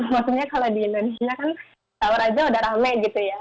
maksudnya kalau di indonesia kan tau raja udah rame gitu ya